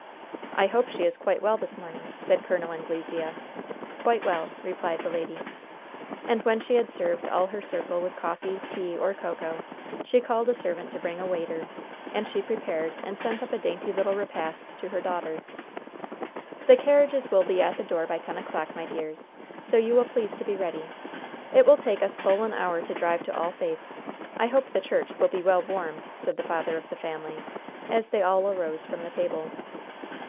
"I hope she is quite well this morning?" said Col. Anglesea. "Quite well," replied the lady. And when she had served all her circle with coffee, tea, or cocoa, she called a servant to bring a waiter, and she prepared and sent up a dainty little repast to her daughter. "The carriages will be at the door by ten o'clock, my dears, so you will please to be ready. It will take us full an hour to drive to All Faith. I hope the church will be well warmed," said the father of the family, as they all arose from the table.